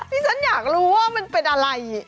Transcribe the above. ที่ฉันอยากรู้ว่ามันเป็นอะไร